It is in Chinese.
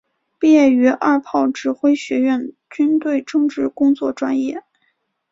毕业于二炮指挥学院军队政治工作专业。